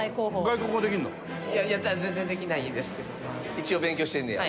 一応勉強してんねや？